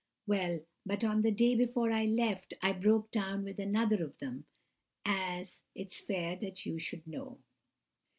Well, but the day before I left, I broke down with another of them, as it's fair that you should know.